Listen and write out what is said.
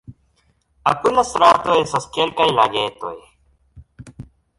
Apud la strato estas kelkaj lagetoj.